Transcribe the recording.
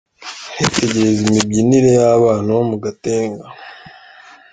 Baritegereza imibyinire y'abana bo mu Gatenga.